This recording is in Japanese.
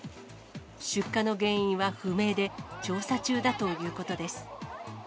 出火の原因は不明で、調査中だということです。